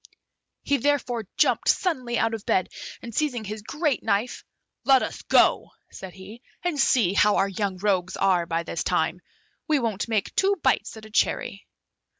He therefore jumped suddenly out of bed, and seizing his great knife, "Let us go," said he, "and see how our young rogues are by this time; we won't make two bites at a cherry."